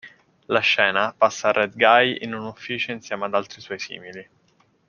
La scena passa a Red Guy in un ufficio insieme ad altri suoi simili.